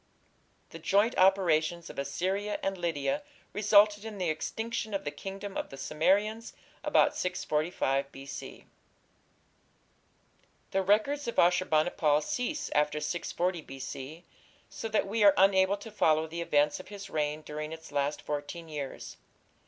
The joint operations of Assyria and Lydia resulted in the extinction of the kingdom of the Cimmerians about 645 B.C. The records of Ashur bani pal cease after 640 B.C., so that we are unable to follow the events of his reign during its last fourteen years.